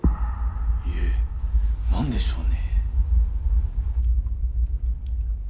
いえ何でしょうね